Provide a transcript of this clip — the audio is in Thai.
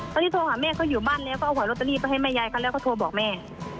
ตอนนี้โทรหาแม่เขาอยู่บ้านแล้วก็เอาหอยลอตเตอรี่ไปให้แม่ยายเขาแล้วเขาโทรบอกแม่